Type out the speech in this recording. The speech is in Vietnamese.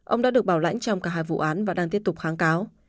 ông đã được bảo lãnh trong cả hai vụ án và đang tiếp tục kháng cáo